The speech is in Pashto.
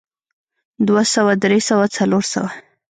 دوه سوه درې سوه څلور سوه